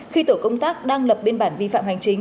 khi tổ công tác đang lập biên bản vi phạm hành chính